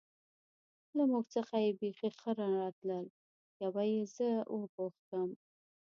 له موږ څخه یې بېخي ښه نه راتلل، یوه یې زه و پوښتم.